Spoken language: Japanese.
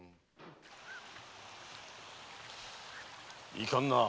いかんな